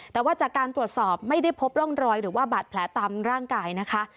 แต่ว่าจากการตรวจสอบไม่ได้พบร่องรอยหรือว่าบาดแผลตามร่างกายนะคะ